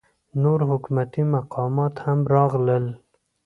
نور حکومتي مقامات هم راغلل.